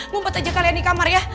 mumput aja kalian di kamar ya